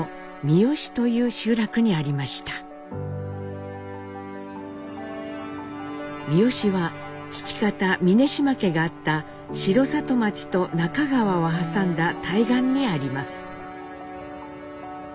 三美は父方峯島家があった城里町と那珂川を挟んだ対岸にあります。